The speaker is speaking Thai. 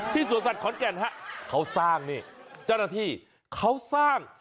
สวนสัตว์ขอนแก่นฮะเขาสร้างนี่เจ้าหน้าที่เขาสร้าง